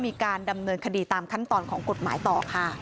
มีการดำเนินคดีตามขั้นตอนของกฎหมายต่อค่ะ